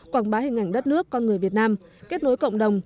quảng bá hình ảnh đất nước con người việt nam kết nối cộng đồng